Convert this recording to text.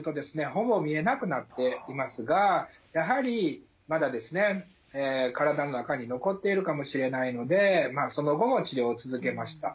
ほぼ見えなくなっていますがやはりまだですね体の中に残っているかもしれないのでその後も治療を続けました。